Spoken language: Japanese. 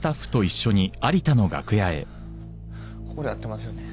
ここで合ってますよね？